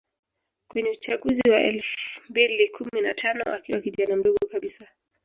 kwenye uchaguzi wa elfu mbili kumi na tano akiwa kijana mdogo kabisa